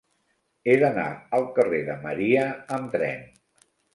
He d'anar al carrer de Maria amb tren.